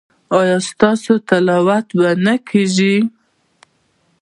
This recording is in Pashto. ایا ستاسو تلاوت به نه کیږي؟